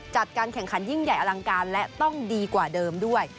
จัดการแข่งขันยิ่งใหญ่อลังการและต้องดีกว่าเดิมด้วย